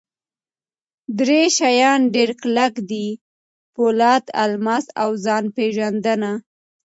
درې شیان ډېر کلک دي: پولاد، الماس اوځان پېژندنه.